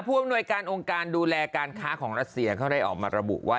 พวกหน่วยการองค์การดูแลการค้าของเฬออกมาทรวบบุว่า